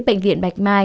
bệnh viện bạch mai